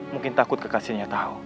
mungkin takut kekasihnya tahu